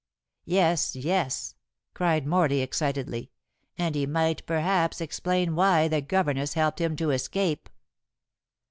"Yes, yes!" cried Morley excitedly. "And he might perhaps explain why the governess helped him to escape."